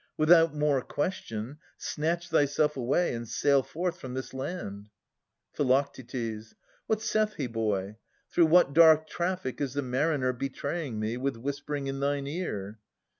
Without more question, snatch thyself away And sail forth from this land. Phi. What saith he, boy? Through what dark traffic is the mariner Betraying me with whispering in thine ear?